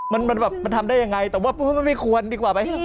มันแบบมันทำได้ยังไงแต่ว่ามันไม่ควรดีกว่าไหม